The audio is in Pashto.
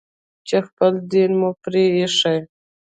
چې خپل دين مو پرې ايښى.